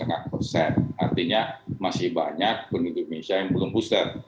artinya masih banyak penduduk indonesia yang belum booster